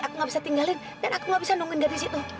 aku nggak bisa tinggalin dan aku nggak bisa nungguin dari situ